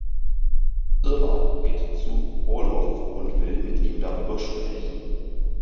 Irma geht zu Olof und will mit ihm darüber sprechen.